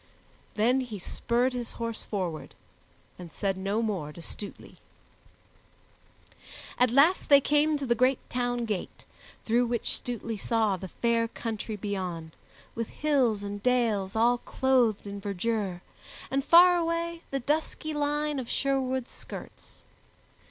Then he spurred his horse forward and said no more to Stutely. At last they came to the great town gate, through which Stutely saw the fair country beyond, with hills and dales all clothed in verdure, and far away the dusky line of Sherwood's skirts.